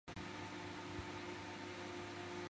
在佛律癸亚或吕底亚出生。